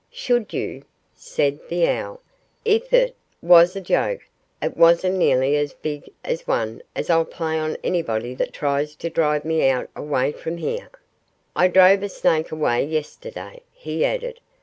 "Should you?" said the owl. "If it was a joke, it wasn't nearly as big a one as I'll play on anybody that tries to drive me away from here. ... I drove a snake away yesterday," he added.